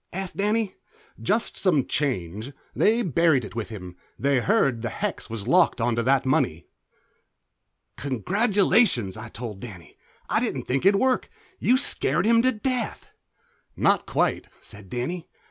asked Danny. "Jest some change. They buried it with him; they heard the hex was locked onto that money." "Congratulations," I told Danny. "I didn't think it'd work. You scared him to death." "Not quite," said Danny.